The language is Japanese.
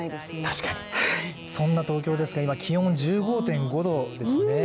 確かに、そんな東京ですが今気温１５．５度ですね。